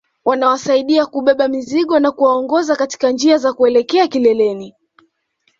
Wanawasaidia kubeba mizigo na kuwaongoza katika njia za kuelekea kileleni